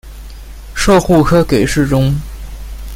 授户科给事中。